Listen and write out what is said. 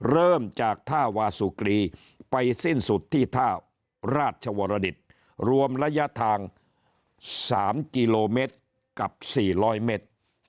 เริ่มจากท่าวาสุกรีไปสิ้นสุดที่ท่าราชวรดิตรวมระยะทาง๓กิโลเมตรกับ๔๐๐เมตร